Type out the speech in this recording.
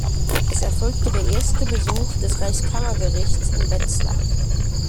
Es erfolgte der erste Besuch des Reichskammergerichts in Wetzlar.